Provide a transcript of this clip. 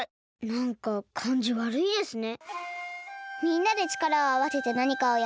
なんかかんじわるいですね。